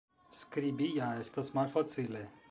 Skribi ja estas malfacile.